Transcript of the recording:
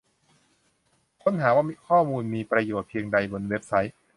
ค้นหาว่าข้อมูลมีประโยชน์เพียงใดบนเว็บไซต์